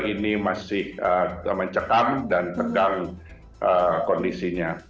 ini masih mencekam dan tegang kondisinya